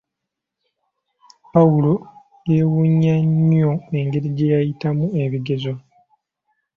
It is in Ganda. Pawulo yeewunya nnyo engeri gye yayitamu ebigezo.